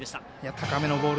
高めのボール